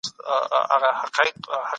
تاسي ولي په اخیرت کي د رحمت هیله نه لرئ؟